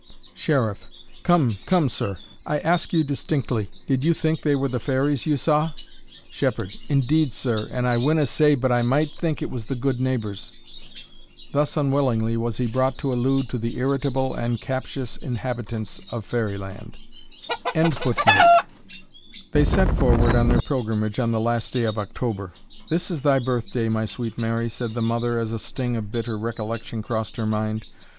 Sheriff. Come, come sir! I ask you distinctly, did you think they were the fairies you saw? Shepherd. Indeed, sir, and I winna say but I might think it was the Good Neighbours. Thus unwillingly was he brought to allude to the irritable and captious inhabitants of fairy land.] They set forward on their pilgrimage on the last day of October. "This is thy birthday, my sweet Mary," said the mother, as a sting of bitter recollection crossed her mind.